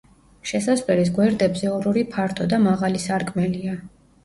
შესასვლელის გვერდებზე ორ-ორი ფართო და მაღალი სარკმელია.